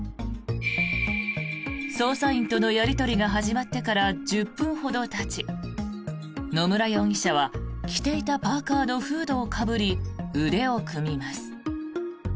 捜査員とのやり取りが始まってから１０分ほどたち野村容疑者は着ていたパーカのフードをかぶり腕を組みます。